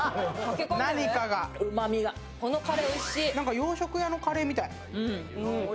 洋食屋のカレーみたい。